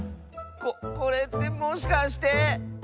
ここれってもしかして。